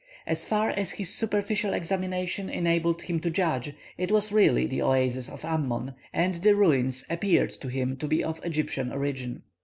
As far as his superficial examination enabled him to judge, it was really the oasis of Ammon, and the ruins appeared to him to be of Egyptian origin.